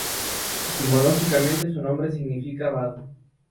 Etimológicamente, su nombre significa "vado".